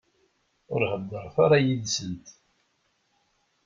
Ur heddṛet ara yid-sent.